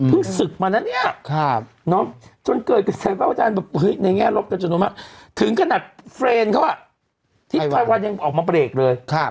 เพิ่งสึกมาแล้วเนี่ยจนเกิดกันแสดงว่าอาจารย์ในแง่รบกันจนถึงขนาดเฟรนเขาที่ไทยวันยังออกมาเปรกเลย